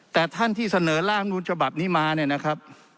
แต่ท่านที่เสนอร่างรับนูลฉบับนี้มา